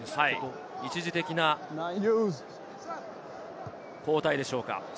一時的な交代でしょうか。